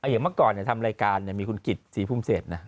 อย่างเมื่อก่อนเนี่ยทำรายการมีคุณกิจสีภุ่มเสชนะ